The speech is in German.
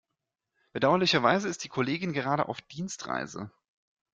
Bedauerlicherweise ist die Kollegin gerade auf Dienstreise.